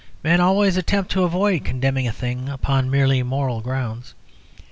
Men always attempt to avoid condemning a thing upon merely moral grounds.